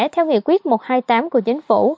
theo nghị quyết một trăm hai mươi tám của chính phủ